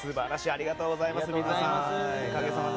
ありがとうございます、皆さん。